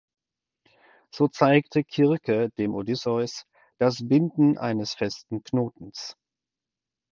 So zeigte Kirke dem Odysseus das Binden eines festen Knotens.